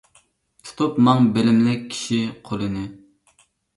تۇتۇپ ماڭ بىلىملىك كىشى قولىنى.